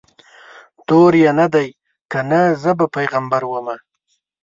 دور یې نه دی کنه زه به پیغمبره ومه